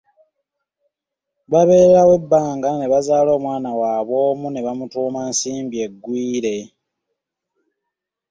Babeerawo ebbanga ne bazaala omwana waabwe omu nebamutuuma Nsimbi Egwire.